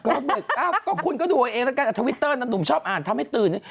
ก็เบรก๙ก็คุณก็ดูไว้เองแล้วกันแต่ทวิตเตอร์นั้นหนุ่มชอบอ่านทำให้ตื่นนี่